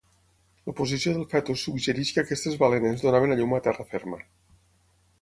La posició del fetus suggereix que aquestes balenes donaven a llum a terra ferma.